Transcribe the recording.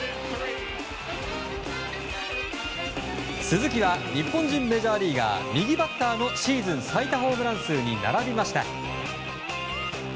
鈴木は日本人メジャーリーガー右バッターのシーズン最多ホームラン数に並びました。